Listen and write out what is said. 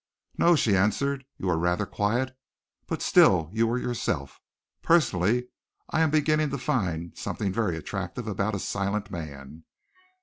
"No!" she answered. "You were rather quiet, but still you were yourself. Personally, I am beginning to find something very attractive about a silent man.